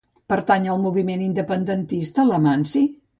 Pertany al moviment independentista l'Amanci?